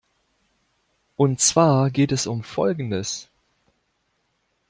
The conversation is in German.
Und zwar geht es um Folgendes.